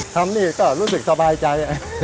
ทำนี่ก็รู้สึกสบายใจ